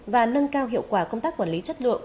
và nâng cao hiệu quả công tác quản lý chất lượng